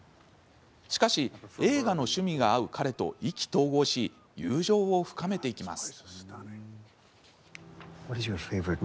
しかし、映画の趣味が合う彼と意気投合し友情を深めていきます。